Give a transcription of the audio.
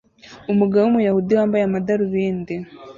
Umugabo wumuyahudi wambaye amadarubindi